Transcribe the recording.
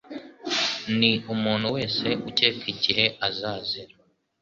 Ni umuntu wese ukeka igihe azazira.